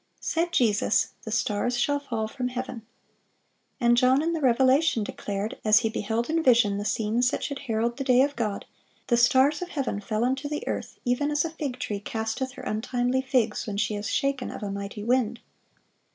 Said Jesus, "The stars shall fall from heaven"(553) And John in the Revelation declared, as he beheld in vision the scenes that should herald the day of God, "The stars of heaven fell unto the earth, even as a fig tree casteth her untimely figs, when she is shaken of a mighty wind."